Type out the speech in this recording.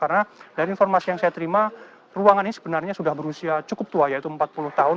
karena dari informasi yang saya terima ruangannya sebenarnya sudah berusia cukup tua yaitu empat puluh tahun